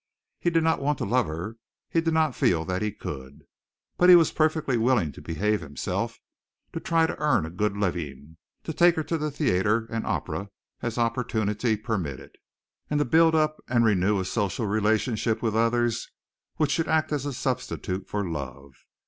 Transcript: He did not want to love her, he did not feel that he could, but he was perfectly willing to behave himself, to try to earn a good living, to take her to theatre and opera as opportunity permitted, and to build up and renew a social relationship with others which should act as a substitute for love.